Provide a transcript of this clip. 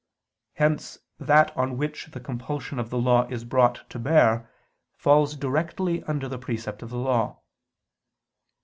Hence that on which the compulsion of the law is brought to bear, falls directly under the precept of the law.